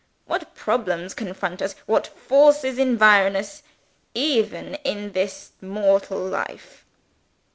What problems confront us, what forces environ us, even in this mortal life!